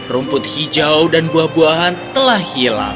rumput hijau dan buah buahan telah hilang